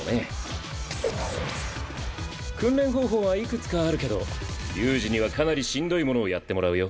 訓練方法はいくつかあるけど悠仁にはかなりしんどいものをやってもらうよ。